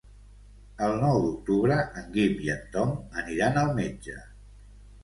El nou d'octubre en Guim i en Tom aniran al metge.